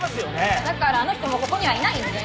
いやだからあの人もうここにはいないんで。